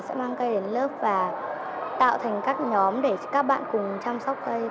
sẽ mang cây đến lớp và tạo thành các nhóm để các bạn cùng chăm sóc cây